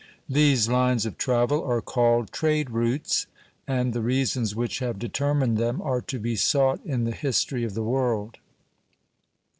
These lines of travel are called trade routes; and the reasons which have determined them are to be sought in the history of the world.